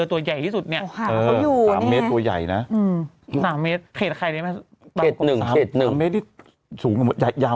รายการที่นั่งแล้วไม่ปลอดภัยสุดเนี้ยนะ